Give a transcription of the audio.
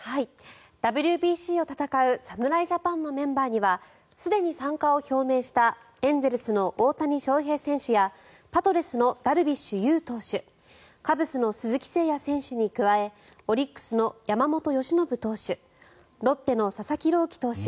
ＷＢＣを戦う侍ジャパンのメンバーにはすでに参加を表明したエンゼルスの大谷翔平選手やパドレスのダルビッシュ有投手カブスの鈴木誠也選手に加えオリックスの山本由伸投手ロッテの佐々木朗希投手